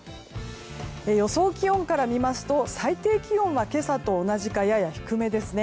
予想気温から見ますと最低気温は今朝と同じかやや低めですね。